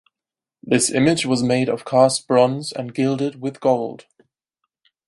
This image was made of cast bronze and gilded with gold.